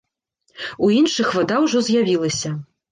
У іншых вада ўжо з'явілася.